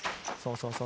そうそう！